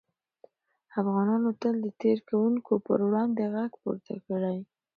افغانانو تل د تېري کوونکو پر وړاندې غږ پورته کړی.